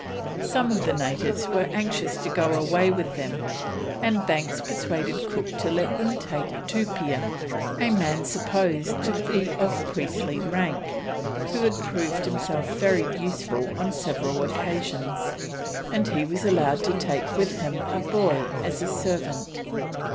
Some of the natives were anxious to go away with them, and Banks persuaded Cook to let him take Tupia, a man supposed to be of priestly rank, who had proved himself very useful on several occasions, and he was allowed to take with him a boy as servant.